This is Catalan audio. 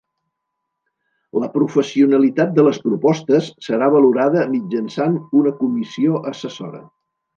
La professionalitat de les propostes serà valorada mitjançant una comissió assessora.